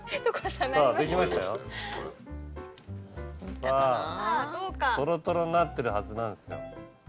さぁトロトロになってるはずなんですよ。